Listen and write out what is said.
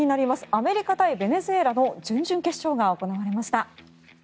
アメリカ対ベネズエラの準々決勝が行われました。